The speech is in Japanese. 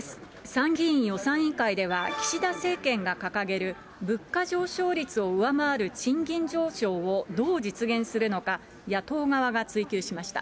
参議院予算委員会では岸田政権が掲げる物価上昇率を上回る賃金上昇をどう実現するのか、野党側が追及しました。